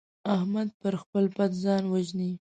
احمد پر خپل پت ځان وژني.